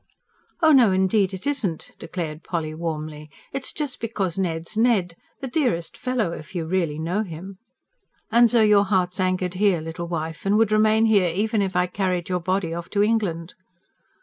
"Oh no, indeed it isn't!" declared Polly warmly. "It's just because Ned's Ned. The dearest fellow, if you really know him." "And so your heart's anchored here, little wife, and would remain here even if I carried your body off to England?"